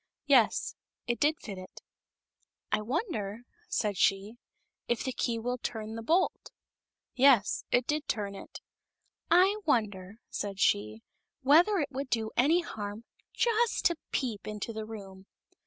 Yes ; it did fit it. " I wonder," said she, " if the key will turn the bolt ?" Yes; it did turn it. " I wonder," said she, " whether it would do any harm just to peep into the room